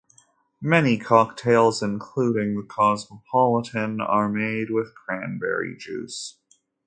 Many cocktails, including the Cosmopolitan, are made with cranberry juice.